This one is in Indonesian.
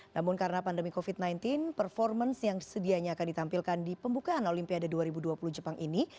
namun karena pandemi covid sembilan belas performance yang sedianya akan ditampilkan di pembukaan olimpiade dua ribu dua puluh jepang ini